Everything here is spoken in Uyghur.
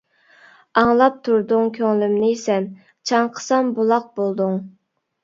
ئاڭلاپ تۇردۇڭ كۆڭلۈمنى سەن، چاڭقىسام بۇلاق بولدۇڭ.